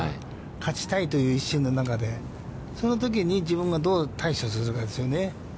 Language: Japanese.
勝ちたいという一心の中で、そのときに、自分がどう対処するかですよね。